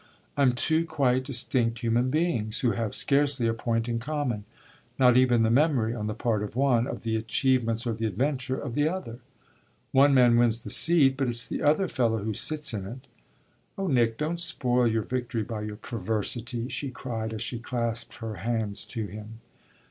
"I'm two quite distinct human beings, who have scarcely a point in common; not even the memory, on the part of one, of the achievements or the adventures of the other. One man wins the seat but it's the other fellow who sits in it." "Oh Nick, don't spoil your victory by your perversity!" she cried as she clasped her hands to him.